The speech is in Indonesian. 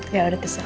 ya udah terserah